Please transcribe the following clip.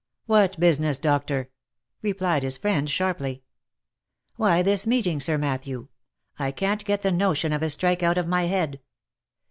" What business, Doctor ?" replied his friend sharply. ""Why this meeting, Sir Matthew. I can't get the notion of a strike out of my head."